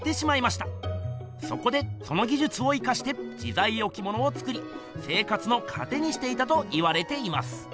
そこでそのぎじゅつを生かして自在置物を作り生活のかてにしていたと言われています。